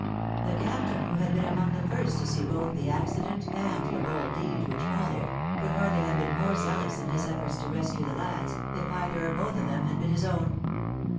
The captain, who had been among the first to see both the accident and the bold deed which followed, could hardly have been more zealous in his efforts to rescue the lads, if either or both of them had been his own.